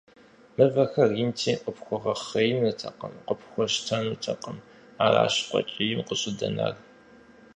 Мывэхэр инти, къыпхуэгъэхъеинутэкъым, къыпхуэщтэнутэкъым, аращ къуэкӀийм къыщӀыдэнар.